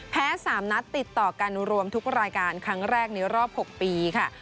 ๓นัดติดต่อกันรวมทุกรายการครั้งแรกในรอบ๖ปีค่ะ